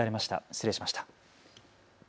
失礼しました。